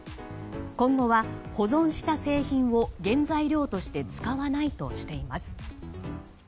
今後は、保存した製品を原材料として使わないとしています。